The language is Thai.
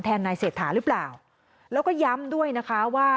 นายเศรษฐาหรือเปล่าแล้วก็ย้ำด้วยนะคะว่า